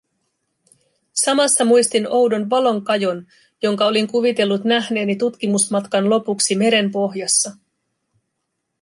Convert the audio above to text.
Samassa muistin oudon valonkajon, jonka olin kuvitellut nähneeni tutkimusmatkan lopuksi merenpohjassa.